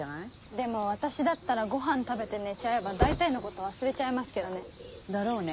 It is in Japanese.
でも私だったらごはん食べて寝ちゃえば大体のこと忘れちゃいますけどね。